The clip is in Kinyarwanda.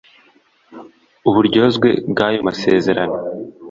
uburyozwe bw’ayo masezerano